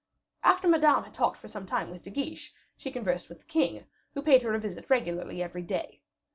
After Madame had talked for some time with De Guiche, she conversed with the king, who paid her a visit regularly every day.